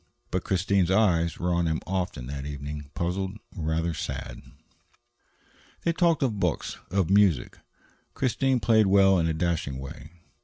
But Christine's eyes were on him often that evening, puzzled, rather sad. They talked of books, of music Christine played well in a dashing way. K.